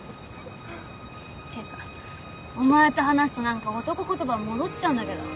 てかお前と話すと何か男言葉戻っちゃうんだけど。